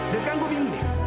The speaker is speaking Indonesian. dan sekarang gue bingung deh